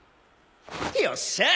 よっしゃ！